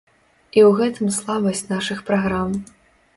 І ў гэтым слабасць нашых праграм.